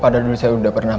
pada dulu saya udah pernah